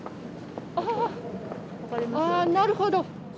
あー、なるほど。